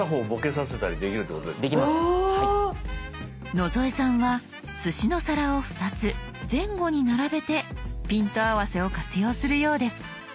野添さんはすしの皿を２つ前後に並べてピント合わせを活用するようです。